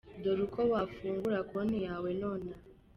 Dore uko wafungura Konti yawe nonaha.